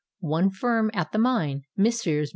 One firm at the mine, Messrs.